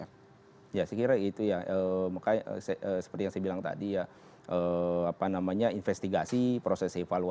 ya saya kira itu ya makanya seperti yang saya bilang tadi ya apa namanya investigasi proses evaluasi